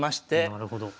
なるほど。